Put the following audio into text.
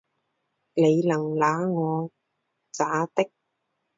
你能拿我咋地？